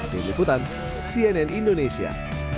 di leputan cnn indonesia